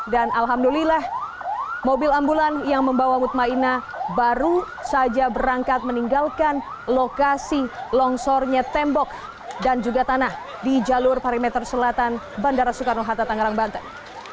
dan alhamdulillah mobil ambulan yang membawa mutma inah baru saja berangkat meninggalkan lokasi longsornya tembok dan juga tanah di jalur parimeter selatan bandara soekarno hatta tangerang banten